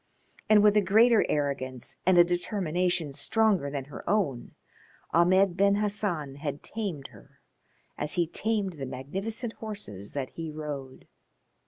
And with a greater arrogance and a determination stronger than her own Ahmed Ben Hassan had tamed her as he tamed the magnificent horses that he rode.